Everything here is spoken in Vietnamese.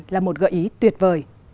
là một gợi ý tuyệt vời